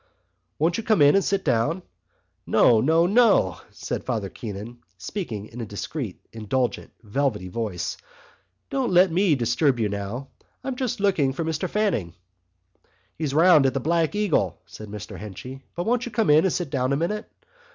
"Won't you come in and sit down?" "No, no, no!" said Father Keon, speaking in a discreet indulgent velvety voice. "Don't let me disturb you now! I'm just looking for Mr Fanning...." "He's round at the Black Eagle," said Mr Henchy. "But won't you come in and sit down a minute?"